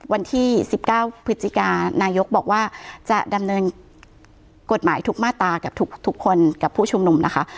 วันที่๑๙พฤศจิกานายกบอกว่าจะดำเนินกฎหมายทุกมาตรากับทุกคนกับผู้ชุมนุมนะคะ